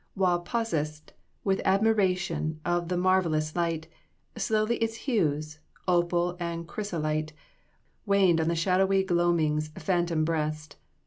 While possest With admiration of the marvelous light, Slowly its hues, opal and chrysolite, Waned on the shadowy gloaming's phantom breast.